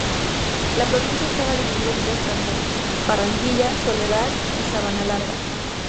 La provincia estaba dividida en tres cantones: Barranquilla, Soledad y Sabanalarga.